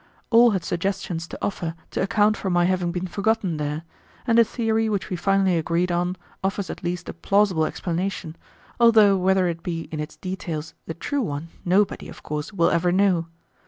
All had suggestions to offer to account for my having been forgotten there, and the theory which we finally agreed on offers at least a plausible explanation, although whether it be in its details the true one, nobody, of course, will ever know.